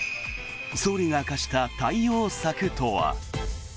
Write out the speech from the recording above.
総理が明かした対応策とは。